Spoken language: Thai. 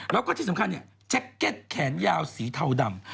แล้วก็ที่สำคัญเนี่ยแจ็คเก็ตแขนยาวสีเทาดำ